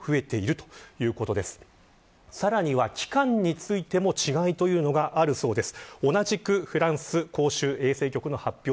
さらには期間についても違いがあるそうです。